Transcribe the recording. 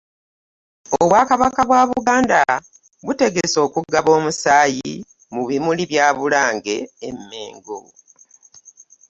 Obwakabaka bwa Buganda butegese okugaba omusaayi mu bimuli bya Bulange e Mmengo